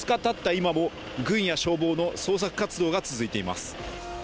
今も軍や消防の捜索活動が続いています。